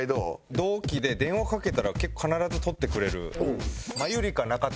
同期で電話かけたら結構必ず取ってくれるマユリカ中谷。